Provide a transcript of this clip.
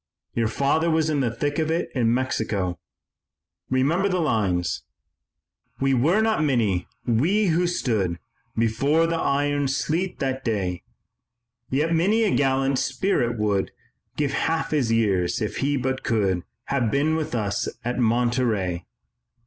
Your father was in the thick of it in Mexico. Remember the lines: "We were not many, we who stood Before the iron sleet that day; Yet many a gallant spirit would Give half his years if he but could Have been with us at Monterey."